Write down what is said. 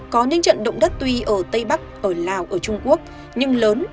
có những trận động đất tuy ở tây bắc ở lào ở trung quốc nhưng lớn